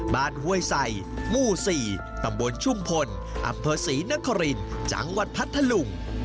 ห้วยใส่หมู่๔ตำบลชุมพลอำเภอศรีนครินจังหวัดพัทธลุง